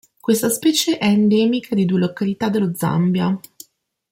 Questa specie è endemica di due località dello Zambia.